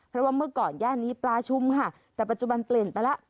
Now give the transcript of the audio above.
เพราะว่าเมื่อก่อนย่านนี้ปลาชุมค่ะแต่ปัจจุบันเปลี่ยนไปแล้ว